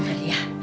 oma dengar ya